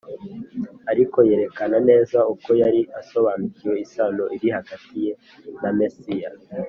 ariko yerekana neza uko yari asobanukiwe isano iri hagati ye na Mesiya